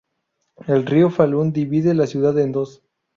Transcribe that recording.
El río Falun divide la ciudad en dos.